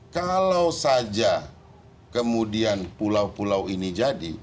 kalau saja kemudian pulau pulau ini jadi